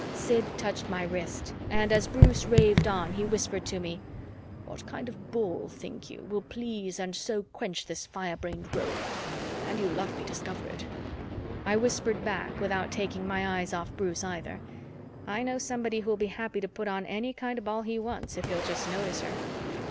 Sid touched my wrist and, as Bruce raved on, he whispered to me, "What kind of ball, think you, will please and so quench this fire brained rogue? And you love me, discover it." I whispered back without taking my eyes off Bruce either, "I know somebody who'll be happy to put on any kind of ball he wants, if he'll just notice her."